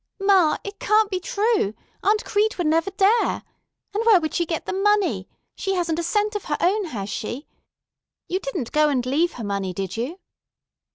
Ma, it can't be true. Aunt Crete would never dare. And where would she get the money? She hasn't a cent of her own, has she? You didn't go and leave her money, did you?"